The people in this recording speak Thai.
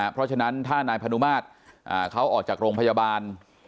เพราะฉะนั้นถ้านายพนุมาตรเขาออกจากโรงพยาบาล